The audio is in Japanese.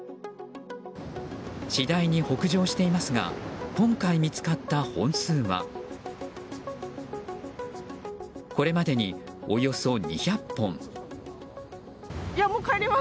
次第に北上していますが今回、見つかった本数はこれまでにおよそ２００本。